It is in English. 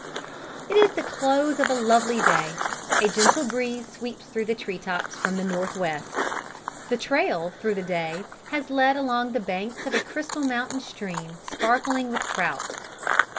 It is the close of a lovely day. A gentle breeze sweeps through the tree tops from the north west. The trail through the day has led along the banks of a crystal mountain stream, sparkling with trout.